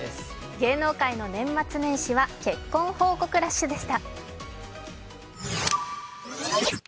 芸能界の年末年始は結婚報告ラッシュでした。